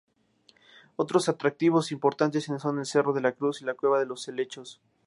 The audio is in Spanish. Otros atractivos importantes son el Cerro la Cruz y la Cueva de los Helechos.